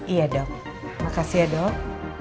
iya dok makasih ya dok